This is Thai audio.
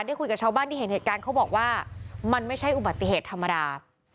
คุยกับชาวบ้านที่เห็นเหตุการณ์เขาบอกว่ามันไม่ใช่อุบัติเหตุธรรมดา